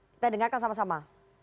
kita dengarkan sama sama